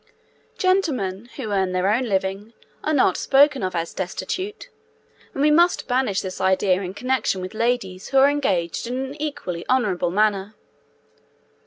Gentlemen who earn their own living are not spoken of as 'destitute,' and we must banish this idea in connection with ladies who are engaged in an equally honourable manner.